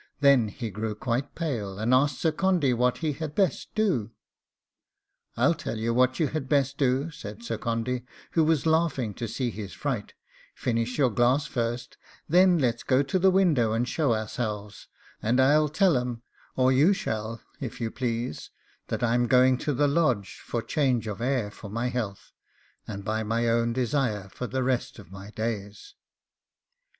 Then he grew quite pale, and asked Sir Condy what had he best do? 'I'll tell you what you had best do,' said Sir Condy, who was laughing to see his fright; 'finish your glass first, then let's go to the window and show ourselves, and I'll tell 'em or you shall, if you please that I'm going to the Lodge for change of air for my health, and by my own desire, for the rest of my days.